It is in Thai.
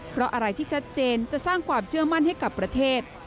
เพราะอะไรที่ชัดเจนจะสร้างความเชื่อมั่นให้กับประเทศ